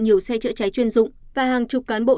nhiều xe chữa cháy chuyên dụng và hàng chục cán bộ